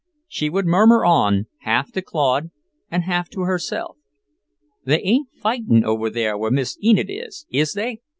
She would murmur on, half to Claude and half to herself: "They ain't fightin' over there where Miss Enid is, is they?